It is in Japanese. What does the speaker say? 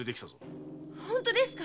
本当ですか？